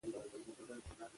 خپل کاره خپل به کوم .